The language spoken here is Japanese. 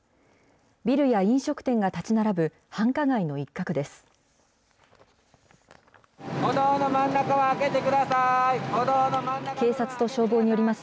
ビルや飲食店が建ち並ぶ繁華街の一角です。